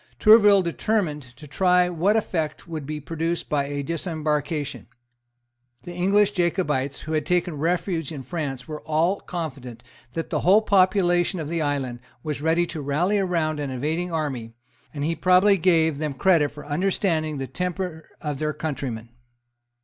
Tourville determined to try what effect would be produced by a disembarkation. The English Jacobites who had taken refuge in France were all confident that the whole population of the island was ready to rally round an invading army; and he probably gave them credit for understanding the temper of their countrymen.